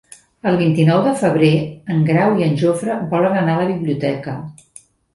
El vint-i-nou de febrer en Grau i en Jofre volen anar a la biblioteca.